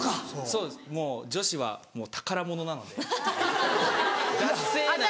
そうですもう女子はもう宝物なので「だっせ」なんて。